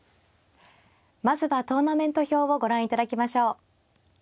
まずはトーナメント表をご覧いただきましょう。